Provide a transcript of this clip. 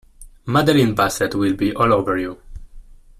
Madeline Bassett will be all over you.